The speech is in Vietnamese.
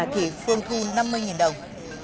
thì phương thu năm mươi đồng